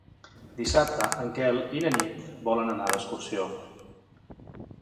Dissabte en Quel i na Nit volen anar d'excursió.